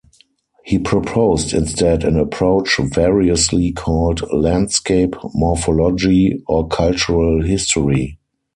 He proposed instead an approach variously called "landscape morphology" or "cultural history.